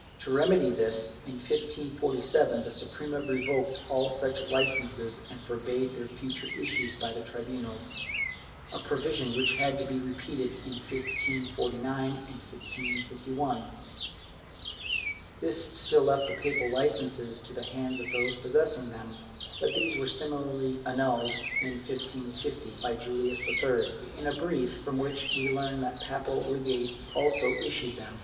To remedy this, in 1547, the Suprema revoked all such licences and forbade their future issue by the tribunals, a provision which had to be repeated in 1549 and 1551.^ This still left the papal licences in the hands of those possessing them, but these were similarly annulled, in 1550, by Julius III, in a brief, from which we learn that papal legates also issued them.